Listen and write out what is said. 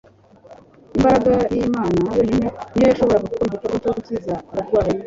Imbaraga y'Imana yonyine ni yo yashoboraga gukora igikorwa cyo gukiza abarwayi